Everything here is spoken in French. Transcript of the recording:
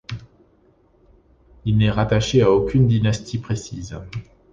Il n'est rattaché à aucune dynastie précise.